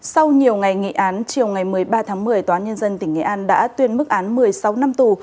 sau nhiều ngày nghị án chiều ngày một mươi ba tháng một mươi tòa án nhân dân tỉnh nghệ an đã tuyên mức án một mươi sáu năm tù